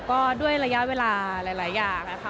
ก็ด้วยระยะเวลาหลายอย่างนะคะ